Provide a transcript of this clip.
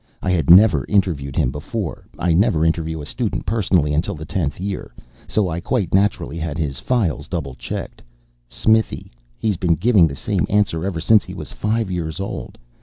I had never interviewed him before. I never interview a student personally until the tenth year so I quite naturally had his files double checked. Smithy, he's been giving the same answer ever since he was five years old.